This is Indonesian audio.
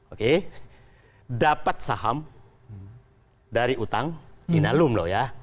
oke dapat saham dari utang inalum loh ya